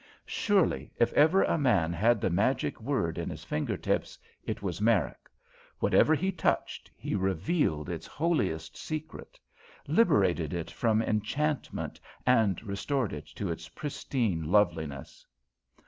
Surely, if ever a man had the magic word in his finger tips, it was Merrick. Whatever he touched, he revealed its holiest secret; liberated it from enchantment and restored it to its pristine loveliness.